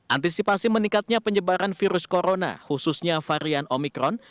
antisipasi meningkatnya penyebaran virus corona khususnya varian omikron